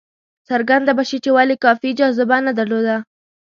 څرګنده به شي چې ولې کافي جاذبه نه درلوده.